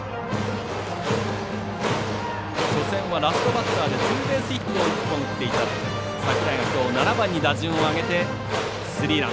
初戦はラストバッターでツーベースヒットを１本、打っていた櫻井がきょう７番に打順を上げてスリーラン。